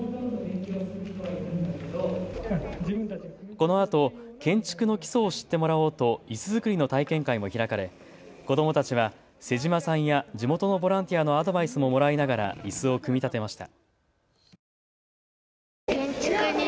このあと建築の基礎を知ってもらおうといす作りの体験会も開かれ子どもたちは妹島さんや地元のボランティアのアドバイスももらいながらいすを組み立てました。